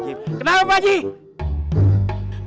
aduh apa kamu tidak berdorong